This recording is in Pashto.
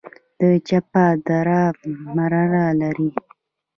د چپه دره مرمر لري